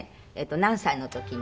何歳の時に？